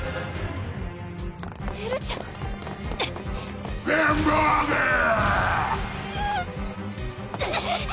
エルちゃんランボーグー！